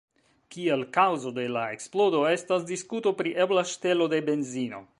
Kiel kaŭzo de la eksplodo estas diskuto pri ebla ŝtelo de benzino.